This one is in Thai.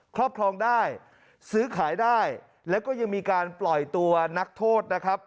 ครอบครองได้ซื้อขายได้แล้วก็ยังมีการปล่อยตัวนักโทษนะครับ